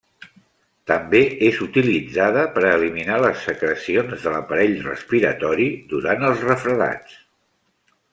També és utilitzada per a eliminar les secrecions de l'aparell respiratori durant els refredats.